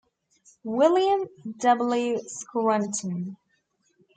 William W. Scranton.